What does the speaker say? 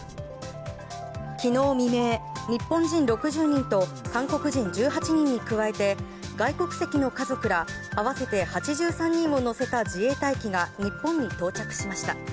昨日未明日本人６０人と韓国人１８人に加えて外国籍の家族ら合わせて８３人を乗せた自衛隊機が日本に到着しました。